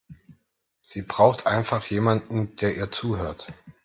Sie braucht einfach jemanden, der ihr zuhört.